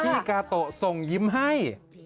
พี่กาโต้ส่งยิ้มให้